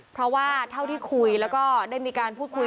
เพราะว่าเท่าที่คุยแล้วก็ได้มีการพูดคุย